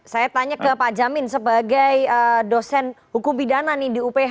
saya tanya ke pak jamin sebagai dosen hukum pidana nih di uph